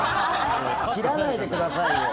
切らないでくださいよ。